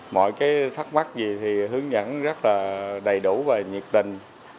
mọi cái thắc mắc gì thì hướng dẫn rất là đầy đủ và nhiệt tình